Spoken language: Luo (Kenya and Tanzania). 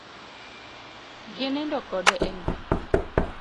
Ginindo kode en be